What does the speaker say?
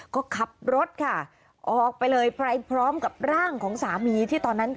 ก็ขับรถค่ะออกไปเลยไปพร้อมกับร่างของสามีที่ตอนนั้น